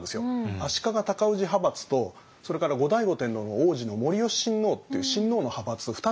足利尊氏派閥とそれから後醍醐天皇の皇子の護良親王っていう親王の派閥２つの派閥があって。